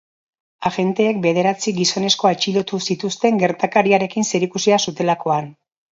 Agenteek bederatzi gizonezko atxilotu zituzten gertakariarekin zerikusia zutelakoan.